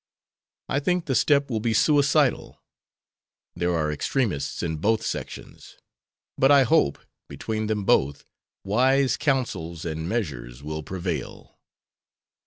I think the step will be suicidal. There are extremists in both sections, but I hope, between them both, wise counsels and measures will prevail."